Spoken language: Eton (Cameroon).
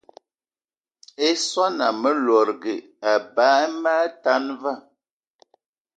I swan ame lòdgì eba eme atan va